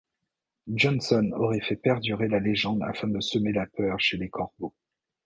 Johnson aurait fait perdurer la légende afin de semer la peur chez les Corbeaux.